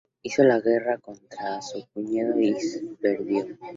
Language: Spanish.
Hizo la guerra contra su cuñado y perdió.